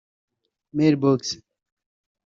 mailbox